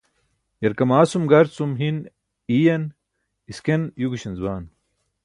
yarkamasum gar cum hin iiyan isken yugśanc bam